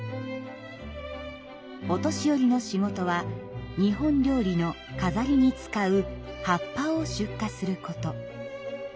お年寄りの仕事は日本料理の飾りに使う葉っぱを出荷すること。